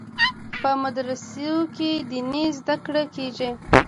په مدرسو کې دیني زده کړې کیږي.